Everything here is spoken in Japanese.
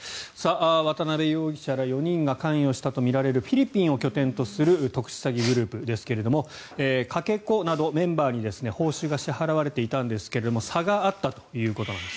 渡邉容疑者ら４人が関与したとみられるフィリピンを拠点とする特殊詐欺グループですがかけ子などメンバーに報酬が支払われていたんですが差があったということです。